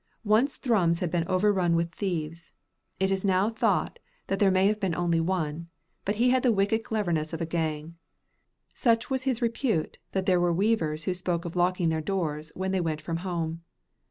Once Thrums had been overrun with thieves. It is now thought that there may have been only one; but he had the wicked cleverness of a gang. Such was his repute, that there were weavers who spoke of locking their doors when they went from home.